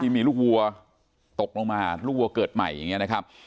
มีลูกวัวตกลงมาลูกวัวเกิดใหม่อย่างนี้นะครับ